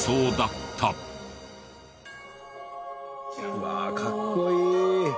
うわかっこいい！